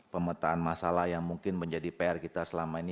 pemetaan masalah yang mungkin menjadi pr kita selama ini